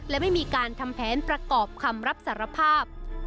และไม่มีการทำแผนประกอบคำรับสารภาพ